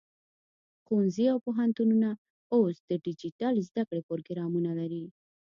ښوونځي او پوهنتونونه اوس د ډیجیټل زده کړې پروګرامونه لري.